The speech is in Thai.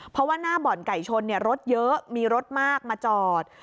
เพราะว่าหน้าบ่อนไก่ชนรถเยอะมีรถมากมาจอด